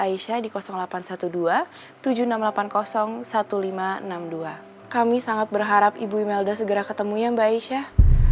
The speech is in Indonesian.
aisyah di delapan ratus dua belas tujuh ribu enam ratus delapan puluh seribu lima ratus enam puluh dua kami sangat berharap ibu imelda segera ketemunya mbak aisyah